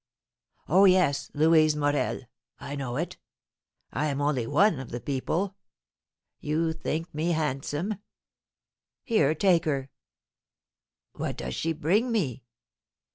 Oh, yes Louise Morel; I know it! I am only one of the people! You think me handsome? Here take her! What does she bring me?